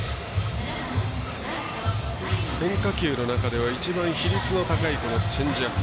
変化球の中では一番比率の高いチェンジアップ。